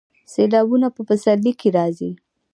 سیلابونه په پسرلي کې راځي